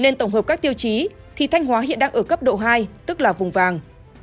nên tổng hợp các tiêu chí thì thanh hóa hiện đang ở cấp độ hai tức là vùng vàng